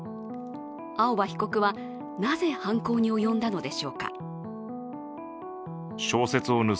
青葉被告はなぜ犯行に及んだのでしょうか。